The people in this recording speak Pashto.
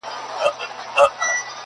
سل کلونه، زرکلونه، ډېر د وړاندي!